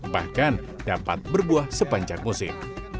bahkan dapat berbuah sepanjang musim